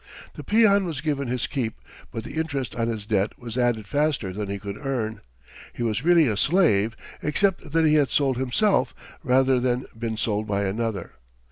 The peon was given his keep, but the interest on his debt was added faster than he could earn. He was really a slave, except that he had sold himself rather than been sold by another.